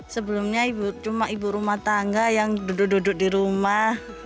sebelumnya ibu cuma ibu rumah tangga yang duduk duduk di rumah